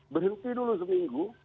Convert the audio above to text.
berhenti dulu seminggu